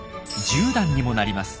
１０段にもなります。